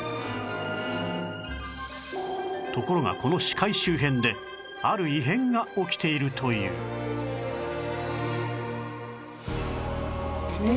ところがこの死海周辺である異変が起きているといううわ！